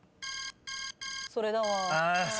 それだわ。